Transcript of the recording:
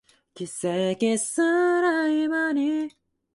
He painted further in his native Ireland, as well as Scotland and England.